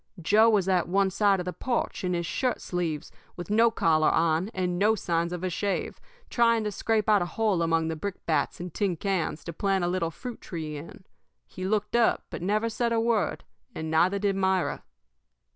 Joe was at one side of the porch, in his shirt sleeves, with no collar on, and no signs of a shave, trying to scrape out a hole among the brickbats and tin cans to plant a little fruit tree in. He looked up but never said a word, and neither did Myra.